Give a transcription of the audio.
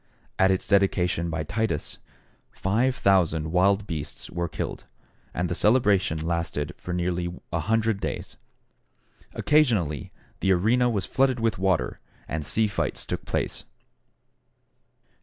At its dedication by Titus, 5,000 wild beasts were killed, and the celebration lasted for nearly a hundred days. Occasionally the arena was flooded with water, and sea fights took place.